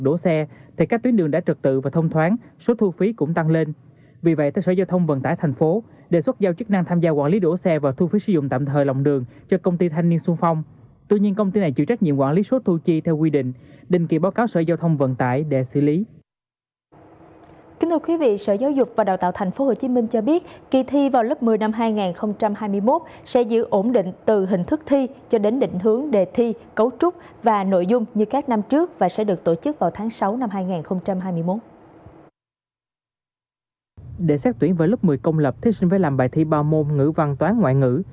để xét tuyển với lớp một mươi công lập thích sinh phải làm bài thi ba môn ngữ văn toán ngoại ngữ